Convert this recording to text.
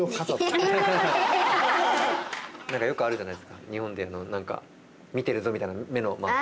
何かよくあるじゃないですか日本でも何か「見てるぞ」みたいな目のマーク。